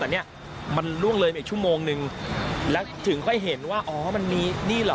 แต่เนี้ยมันล่วงเลยมาอีกชั่วโมงนึงแล้วถึงค่อยเห็นว่าอ๋อมันมีนี่เหรอ